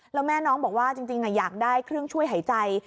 แล้วแม่น้องบอกว่าจริงอยากได้เครื่องช่วยหายใจ